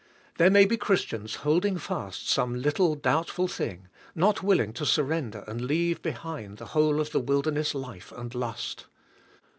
There may be Christians holding fast some little doubtful thing, not willing to surrender and leave behind the whole of the wilderness life and lust.